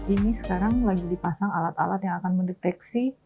ini sekarang lagi dipasang alat alat yang akan mendeteksi